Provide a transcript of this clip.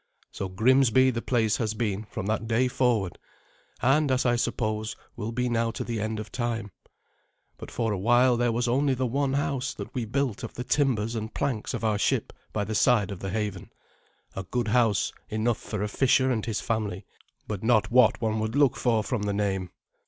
So Grimsby the place has been from that day forward, and, as I suppose, will be now to the end of time. But for a while there was only the one house that we built of the timbers and planks of our ship by the side of the haven a good house enough for a fisher and his family, but not what one would look for from the name.